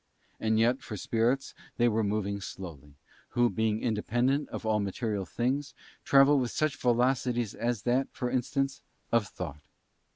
And yet for spirits they were moving slowly, who being independent of all material things, travel with such velocities as that, for instance, of thought.